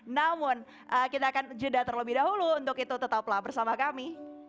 namun kita akan jeda terlebih dahulu untuk itu tetaplah bersama kami